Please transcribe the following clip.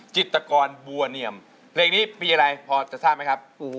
จิตกรบัวเนียมเพลงนี้มีอะไรพอจะทราบไหมครับ